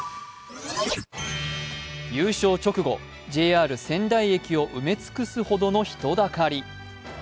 優勝直後、ＪＲ仙台駅を埋め尽くすほどの人だかり。